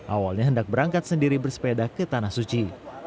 awalnya hendak berangkat sendiri bersepeda ke tanah suci